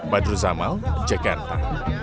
badruz amal jakarta